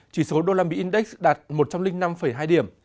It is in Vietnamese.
chỉ số đô la mỹ index đạt một trăm linh năm hai điểm